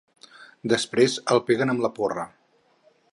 Després el peguen amb la porra.